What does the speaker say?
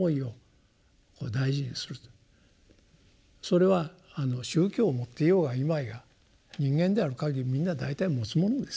それは宗教を持っていようがいまいが人間である限りみんな大体持つものですよ。